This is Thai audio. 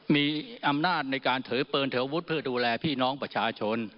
มีอำนาจในการเผินเถอะวุฒิเพื่อดูแลพี่น้องประชาชน